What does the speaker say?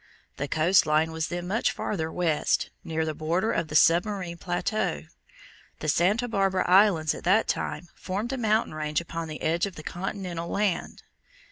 The coast line was then much farther west, near the border of the submarine plateau. The Santa Barbara Islands at that time formed a mountain range upon the edge of the continental land.